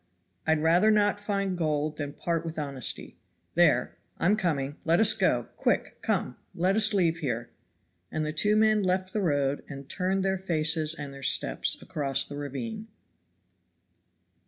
I'd rather not find gold than part with honesty. There, I'm coming let us go quick come, let us leave here." And the two men left the road and turned their faces and their steps across the ravine.